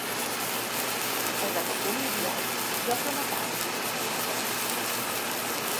Ezek a komédiák gyakran a párizsi alvilágban játszódnak.